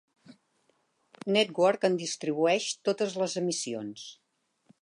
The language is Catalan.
Network en distribueix totes les emissions.